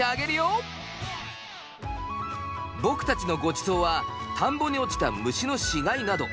僕たちのごちそうは田んぼに落ちた虫の死骸など。